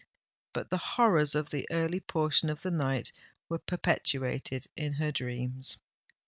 But the horrors of the early portion of the night were perpetuated in her dreams!